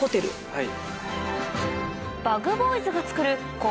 はい。